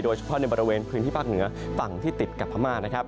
เฉพาะในบริเวณพื้นที่ภาคเหนือฝั่งที่ติดกับพม่านะครับ